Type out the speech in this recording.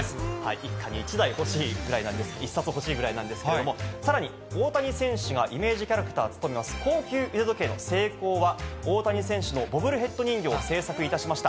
一家に一台、欲しいぐらいなんです、１冊欲しいぐらいなんですけど、さらに大谷選手がイメージキャラクターを務めます高級腕時計のＳＥＩＫＯは、大谷選手のボブルヘッド人形を製作いたしました。